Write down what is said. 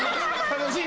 楽しい。